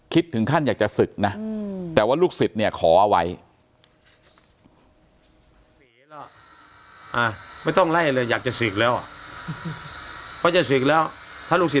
คิดถึงขั้นอยากจะศึกนะแต่ว่าลูกศิษย์เนี่ยขอเอาไว้